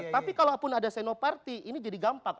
tapi kalau pun ada senoparti ini jadi gampang